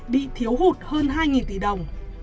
bị thiếu hụt hơn hai tỷ đồng